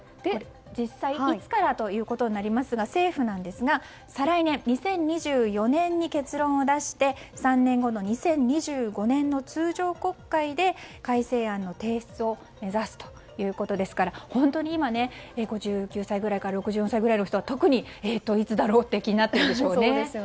実際いつからということになりますが政府なんですが、再来年の２０２４年に結論を出して３年後の２０２５年の通常国会で改正案の提出を目指すということですから本当に今、５９歳ぐらいから６４歳ぐらいの人は特に、いつだろうって気になっているでしょうね。